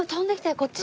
こっち。